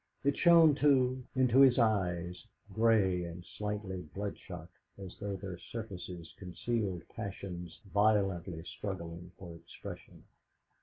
It shone, too, into his eyes, 'grey and slightly bloodshot, as though their surfaces concealed passions violently struggling for expression.